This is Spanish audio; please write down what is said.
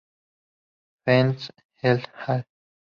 Feng et al.